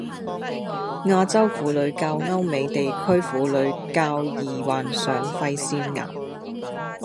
亞洲婦女較歐美地區婦女較易患上肺腺癌